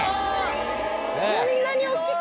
こんなに大っきく？